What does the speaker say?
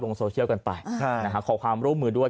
ลงโซเชียลกันไปขอความร่วมมือด้วย